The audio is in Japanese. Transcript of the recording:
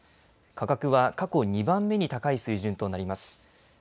価格は過去２番目に高い水準となります。